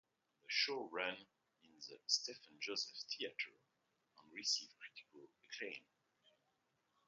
The show ran in The Stephen Joseph Theatre and received critical acclaim.